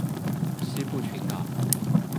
西部群岛。